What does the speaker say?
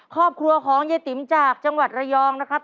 ครอบครัวของยายติ๋มจากจังหวัดระยองนะครับ